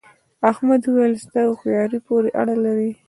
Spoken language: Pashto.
احمد وويل: ستا هوښیارۍ پورې اړه لري.